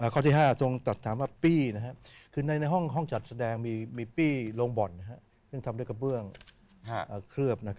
ข้อที่๕ทรงตัดถามว่าปี้คือในห้องจัดแสดงมีปี้ลงบ่อนซึ่งทำด้วยกระเบื้องเคลือบ